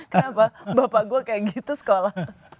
kenapa bapak gue kayak gitu sekolah